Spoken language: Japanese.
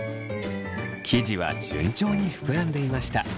生地は順調にふくらんでいました。